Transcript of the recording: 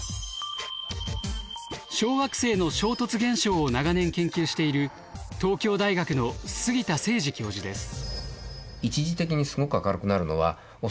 小惑星の衝突現象を長年研究している東京大学の杉田精司教授です。